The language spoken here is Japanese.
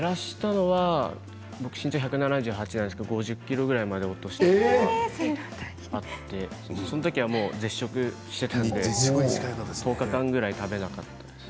僕は身長１７８なんですけど５０ｋｇぐらいまで落としたことがあって、その時は絶食していたので１０日間ぐらい食べなかったです。